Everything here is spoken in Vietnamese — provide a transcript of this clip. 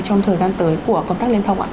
trong thời gian tới của công tác liên thông ạ